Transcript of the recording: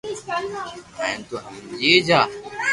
ھين تو ھمجي جا